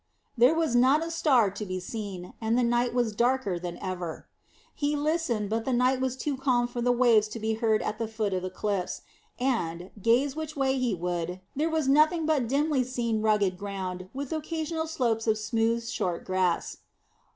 There was not a star to be seen, and the night was darker than ever. He listened, but the night was too calm for the waves to be heard at the foot of the cliffs, and, gaze which way he would, there was nothing but dimly seen rugged ground with occasional slopes of smooth, short grass.